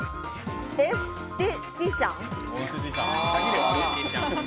エステティシャン。